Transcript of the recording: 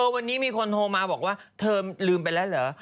วันนี้มีคนโทรมาบอกว่าเธอลืมไปแล้วเหรอ